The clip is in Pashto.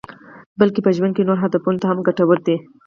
بلکې په ژوند کې نورو هدفونو ته هم ګټور دي.